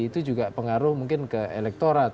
itu juga pengaruh mungkin ke elektorat